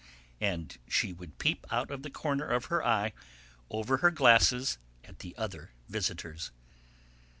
and she would peep out of the corner of her eye, over her glasses, at the other visitors.